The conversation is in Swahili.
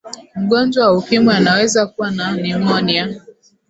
mgonjwa wa ukimwi anaweza kuwa na pneumonia